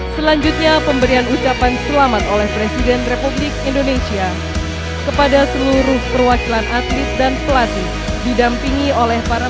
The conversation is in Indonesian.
selanjutnya pemberian ucapan selamat oleh presiden republik indonesia kepada seluruh perwakilan atlet dan pelatih didampingi oleh para